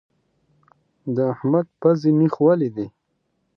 د احمد پزې نېښ ولی دی.